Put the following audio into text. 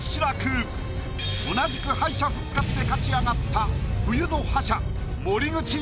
同じく敗者復活で勝ち上がった。